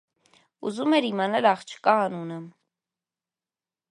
Ուզում էի իմանալ աղջկա անունը: